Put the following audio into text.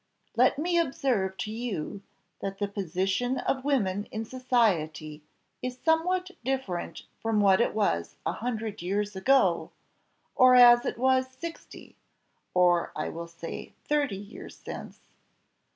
Let me observe to you, that the position of women in society is somewhat different from what it was a hundred years ago, or as it was sixty, or I will say thirty years since.